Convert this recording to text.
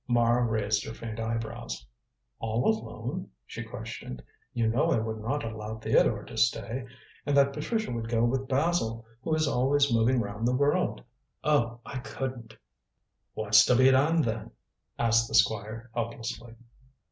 Mara raised her faint eyebrows. "All alone?" she questioned. "You know I would not allow Theodore to stay, and that Patricia would go with Basil, who is always moving round the world. Oh, I couldn't." "What's to be done, then?" asked the Squire helplessly.